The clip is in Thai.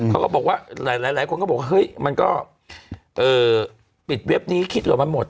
เขาก็บอกว่าหลายคนก็บอกเฮ้ยมันก็ปิดเว็บนี้คิดเหรอมันหมด